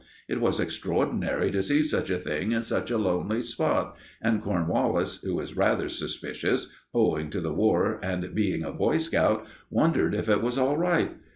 It was extraordinary to see such a thing in such a lonely spot, and Cornwallis, who is rather suspicious, owing to the War and being a Boy Scout, wondered if it was all right.